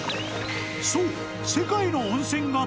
［そう］